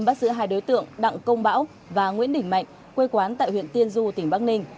bắt giữ hai đối tượng đặng công bão và nguyễn đình mạnh quê quán tại huyện tiên du tỉnh bắc ninh